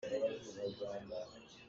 Zahan cu zaan khuadei ka hrio.